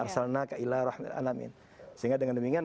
sehingga dengan demikian